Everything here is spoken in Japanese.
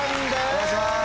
お願いします